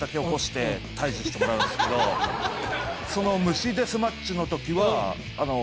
虫デスマッチの時は。